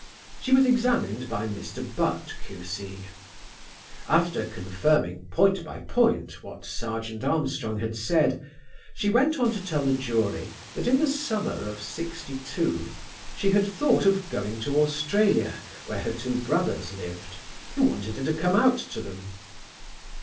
She was examined by Mr. Butt, Q.C. After confirming point by point what Serjeant Armstrong had said, she went on to tell the jury that in the summer of '62 she had thought of going to Australia, where her two brothers lived, who wanted her to come out to them.